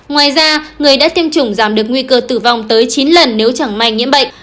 ngoài ra người đã tiêm chủng giảm được nguy cơ tử vong tới chín lần nếu chẳng may nhiễm bệnh